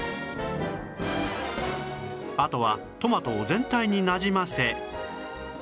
あとはトマトを全体になじませ